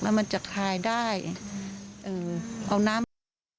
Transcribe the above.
แล้วมันจะคลายได้เอ่อเอาน้ำ